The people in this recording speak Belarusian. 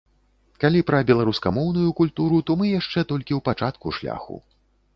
Калі пра беларускамоўную культуру, то мы яшчэ толькі ў пачатку шляху.